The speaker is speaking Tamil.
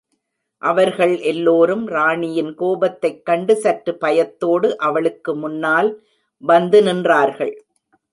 அவர்கள் எல்லோரும் ராணியின் கோபத்தைக் கண்டு சற்று பயத்தோடு அவளுக்கு முன்னால் வந்து நின்றார்கள்.